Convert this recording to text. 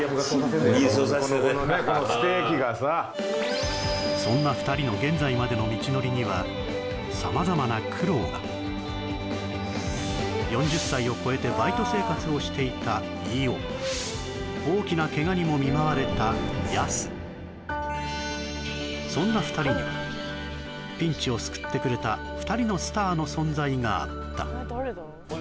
このステーキがさそんな２人の現在までの道のりには様々な苦労が４０歳を越えてバイト生活をしていた飯尾大きな怪我にも見舞われたやすそんな２人にはピンチを救ってくれた２人のスターの存在があった